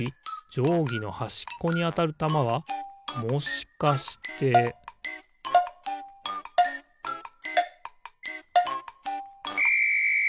じょうぎのはしっこにあたるたまはもしかしてピッ！